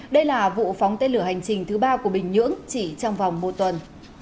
đây là vụ phóng tên lửa hành trình thứ ba của bình nhưỡng chỉ trong vòng một tuần